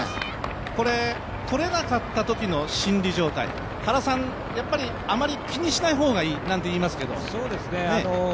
これ、とれなかったときの心理状態あまり気にしない方がいいなんて言いますけど？